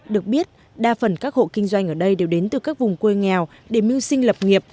được biết đa phần các hộ kinh doanh ở đây đều đến từ các vùng quê nghèo để mưu sinh lập nghiệp